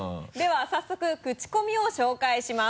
では早速クチコミを紹介します。